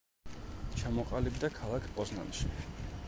ჩამოყალიბდა ქალაქ პოზნანში.